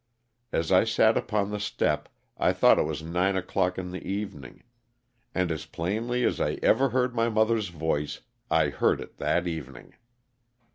As I sat upon the step I thought it was nine o'clock in the evening, and as plainly as I ever heard my mother's voice I heard it that evening.